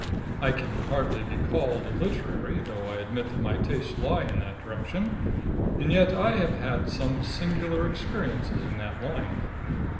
I can hardly be called literary, though I admit that my tastes lie in that direction, and yet I have had some singular experiences in that line.